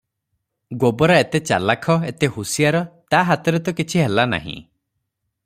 ଗୋବରା ଏତେ ଚାଲାଖ, ଏତେ ହୁସିଆର, ତା ହାତରେ ତ କିଛି ହେଲା ନାହିଁ ।